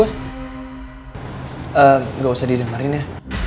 em enggak usah didengarin ya